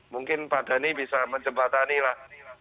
mungkin pak dhani bisa menjembatani lah